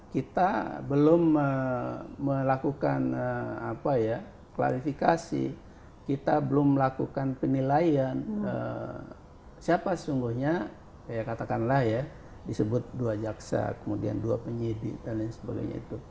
kita belum melakukan klarifikasi kita belum melakukan penilaian siapa sesungguhnya katakanlah ya disebut dua jaksa kemudian dua penyidik dan lain sebagainya itu